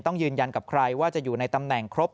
ต้องยืนยันกับใครว่าจะอยู่ในตำแหน่งครบ